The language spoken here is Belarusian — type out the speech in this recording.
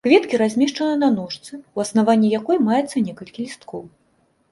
Кветкі размешчаны на ножцы, у аснаванні якой маецца некалькі лісткоў.